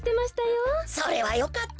それはよかったのだ。